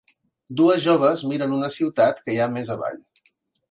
Dues joves miren una ciutat que hi ha més avall